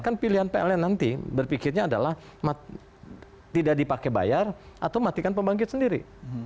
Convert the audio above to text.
kan pilihan pln nanti berpikirnya adalah tidak dipakai bayar atau matikan pembangkit sendiri